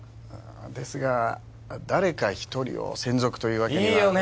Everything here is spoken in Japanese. ですが誰か一人を専属というわけにはいいよね？